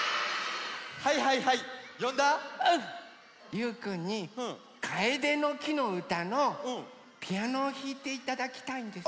ゆうくんに「カエデの木のうた」のピアノをひいていただきたいんですけど。